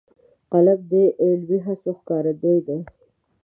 قلم د علمي هڅو ښکارندوی دی